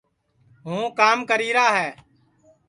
ہوں کام کریرا ہے